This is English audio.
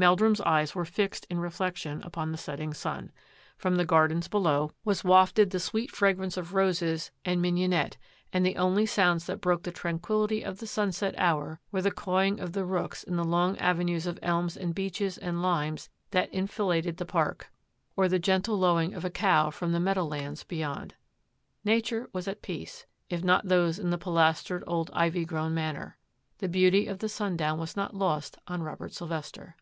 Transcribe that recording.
Meldrum's eyes were fixed in reflection upon the setting siui. From the gardens below was wafted 1^1 122 THAT AFFAIR AT THE MANOR the sweet fragrance of roses and mignonette, and the only sounds that broke the tranquillity of the sunset hour were the cawing of the rooks in the long avenues of elms and beeches and limes that enfiladed the park, or the gentle lowing of a cow from the meadow lands beyond. Nature was at peace, if not those in the pilastered old ivy grown Manor. The beauty of the sundown was lost on Robert Sylvester.